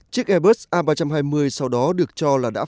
chiếc airbus a ba trăm hai mươi sau đó được cho là đã phá hủy